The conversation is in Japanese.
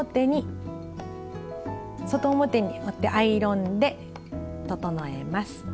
外表に折ってアイロンで整えます。